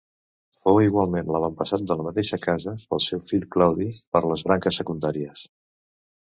Fou igualment l'avantpassat de la mateixa casa pel seu fill Claudi, per les branques secundàries.